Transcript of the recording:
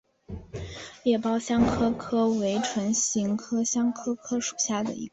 裂苞香科科为唇形科香科科属下的一个种。